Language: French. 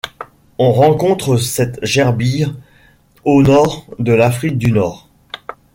On rencontre cette gerbille au nord de l'Afrique du Nord.